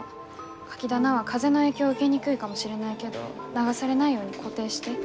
カキ棚は風の影響を受けにくいかもしれないけど流されないように固定して。